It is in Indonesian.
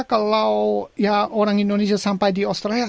kalau orang indonesia sampai di australia